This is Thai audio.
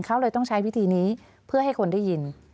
เขาเลยต้องใช้วิธีนี้เพื่อให้คนได้ยิน